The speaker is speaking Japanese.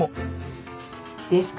ですから。